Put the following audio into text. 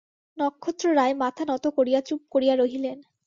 নক্ষত্ররায় মাথা নত করিয়া চুপ করিয়া রহিলেন।